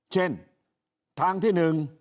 เช่นทางที่๑